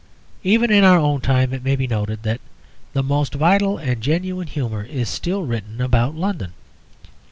Even in our own time it may be noted that the most vital and genuine humour is still written about London.